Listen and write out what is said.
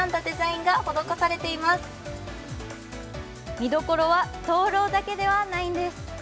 見どころは灯籠だけではないんです。